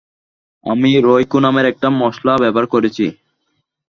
আমি রয়কো নামের একটা মশলা ব্যবহার করেছি।